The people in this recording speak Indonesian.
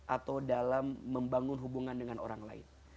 atau dalam membangun hubungan dengan orang lain